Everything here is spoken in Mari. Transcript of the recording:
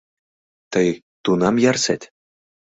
Тый тунам ярсет?